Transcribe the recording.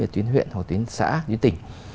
tuyến huyện tuyến xã tuyến tỉnh